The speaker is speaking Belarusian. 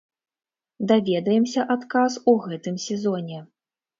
Даведаемся адказ у гэтым сезоне.